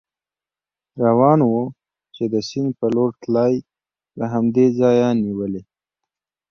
روان و، چې د سیند په لور تلی، له همدې ځایه نېولې.